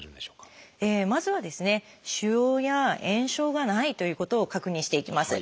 まずは腫瘍や炎症がないということを確認していきます。